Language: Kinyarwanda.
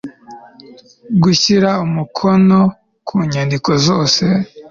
gushyira umukono ku nyandiko zose